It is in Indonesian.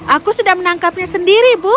aku sudah menangkapnya sendiri bu